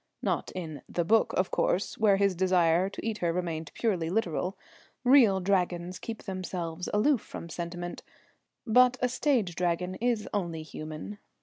Not in the "book," of course, where his desire to eat her remained purely literal. Real Dragons keep themselves aloof from sentiment, but a stage Dragon is only human.